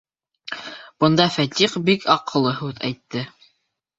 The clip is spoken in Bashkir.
Бында Фәтих бик аҡыллы һүҙ әйтте.